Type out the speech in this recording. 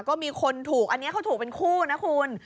ก็มีคนถูกอันนี้เขาถูกเป็นคู่นะคุณ